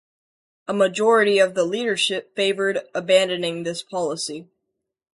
A majority of the leadership favoured abandoning this policy.